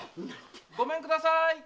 ・ごめんください！